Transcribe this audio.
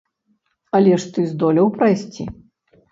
Але ж ты здолеў прайсці.